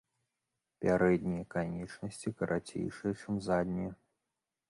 Пярэднія канечнасці карацейшыя чым заднія.